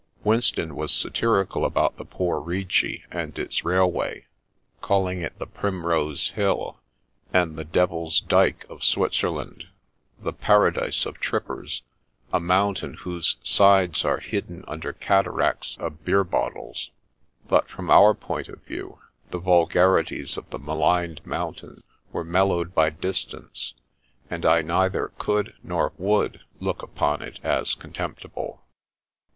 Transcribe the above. Winston was satirical about the poor Rigi and its railway, calling it the Primrose Hill and the Devil's Dyke of Switzerland, the paradise of trip pers, a mountain whose sides are hidden under cat aracts of beer bottles; but from our point of view, the vulgarities of the maligned mountain were mel lowed by distance, and I neither could nor would look upon it as contemptible.